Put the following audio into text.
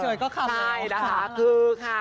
ใช่นะคะคือค่ะ